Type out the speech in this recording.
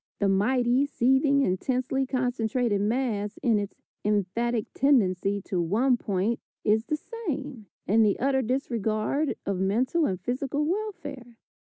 The mighty, seething, intensely concentrated mass in its emphatic tendency to one point is the same, in the utter disregard of mental and physical welfare.